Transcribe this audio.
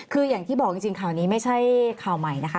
คืออย่างที่บอกจริงข่าวนี้ไม่ใช่ข่าวใหม่นะคะ